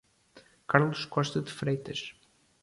Carlos Costa de Freitas